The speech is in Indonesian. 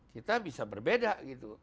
kita bisa berbeda gitu